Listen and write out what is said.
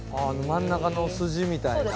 「真ん中の筋みたいな」